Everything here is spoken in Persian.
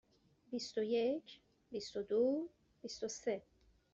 بیست و یک، بیست و دو، بیست و سه.